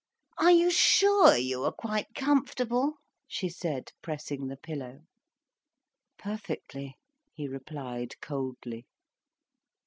"Are you sure you were quite comfortable?" she said, pressing the pillow. "Perfectly," he replied coldly.